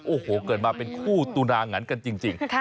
โอ้โหเกิดมาเป็นคู่ตุนางันกันจริง